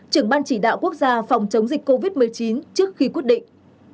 trưởng ban chỉ đạo quốc gia phòng chống dịch covid một mươi chín trước khi quyết định